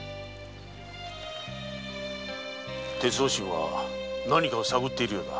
鉄之進は何かを探っているようだ。